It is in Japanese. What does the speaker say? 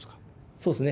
そうですね。